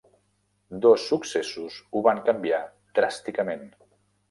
Dos successos ho van canviar dràsticament.